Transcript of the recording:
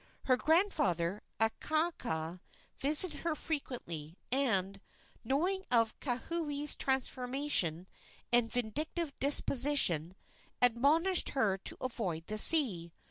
Her grandfather, Akaaka, visited her frequently, and, knowing of Kauhi's transformation and vindictive disposition, admonished her to avoid the sea.